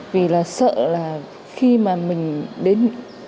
vì là sợ là khi mà mình đến